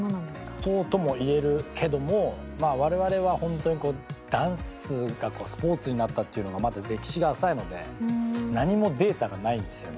そうとも言えるけども我々は本当にダンスがスポーツになったっていうのがまだ歴史が浅いので何もデータがないんですよね。